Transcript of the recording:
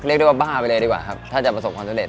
เรียกได้ว่าบ้าไปเลยดีกว่าครับถ้าจะประสบความสำเร็